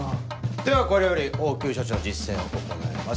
ではこれより応急処置の実践を行います。